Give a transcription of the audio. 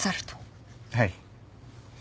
はい。